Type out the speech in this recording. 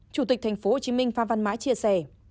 chủ tịch tp hcm phan văn mãi chia sẻ